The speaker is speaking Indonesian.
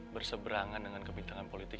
berseberangan dengan kebintangan politik